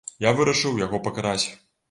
Я вырашыў яго пакараць.